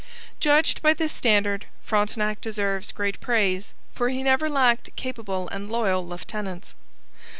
Judged by this standard Frontenac deserves great praise, for he never lacked capable and loyal lieutenants.